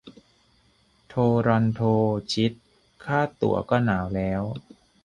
โทรอนโท ชิต ค่าตั๋วก็หนาวแล้ว